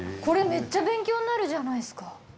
これめっちゃ勉強になるじゃないですか。